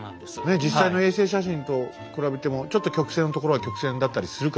実際の衛星写真と比べてもちょっと曲線のところは曲線だったりするから実際も。